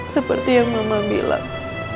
seperti yang mama bilang